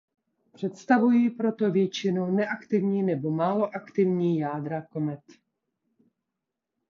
Představují proto většinou neaktivní nebo málo aktivní jádra komet.